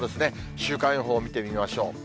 週間予報を見てみましょう。